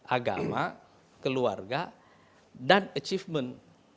agama keluarga dan achievement